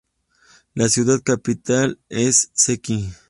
La ciudad capital es Şəki.